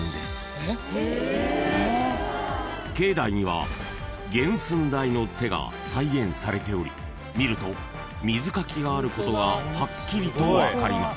［境内には原寸大の手が再現されており見ると水かきがあることがはっきりと分かります］